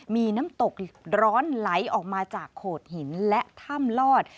มีน้ำตกร้อนไหลออกมาจากโขดหินและถ้ำลอด